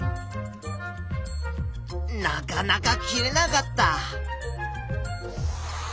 なかなか切れなかった。